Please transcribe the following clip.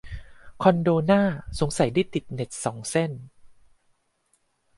คอนโดหน้าสงสัยได้ติดเน็ตสองเส้น